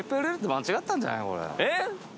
えっ？